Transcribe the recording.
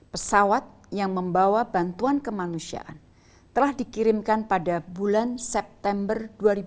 pesawat yang membawa bantuan kemanusiaan telah dikirimkan pada bulan september dua ribu dua puluh